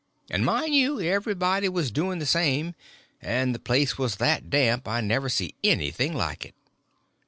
And, mind you, everybody was doing the same; and the place was that damp I never see anything like it.